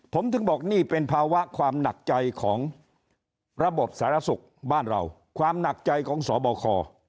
ผมถึงบอกนี่เป็นภาวะความหนักใจของระบบสารสุขบ้านเราความหนักใจของสบค